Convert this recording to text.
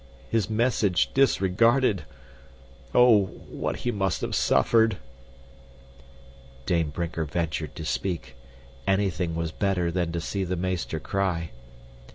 His message disregarded. Oh, what he must have suffered!" Dame Brinker ventured to speak. Anything was better than to see the meester cry.